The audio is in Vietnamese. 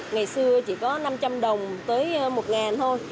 ngày xưa chỉ có năm trăm linh đồng tới một thôi